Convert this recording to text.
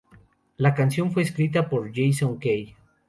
La canción fue escrita por Jason Kay.